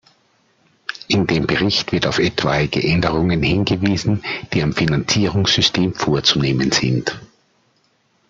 In dem Bericht wird auf etwaige Änderungen hingewiesen, die am Finanzierungssystem vorzunehmen sind.